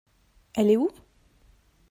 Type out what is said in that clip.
Elle est où ?